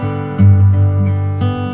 terima kasih ya mas